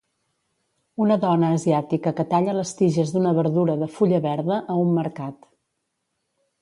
Una dona asiàtica que talla les tiges d'una verdura de fulla verda a un mercat.